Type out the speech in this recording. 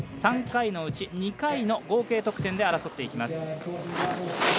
３回のうち２回の合計得点で争っていきます。